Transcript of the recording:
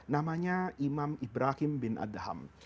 namanya imam ibrahim bin adham